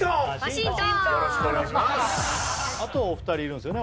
あとお二人いるんですよね？